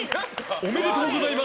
おめでとうございます。